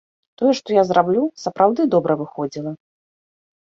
Тое, што я зраблю, сапраўды добра выходзіла.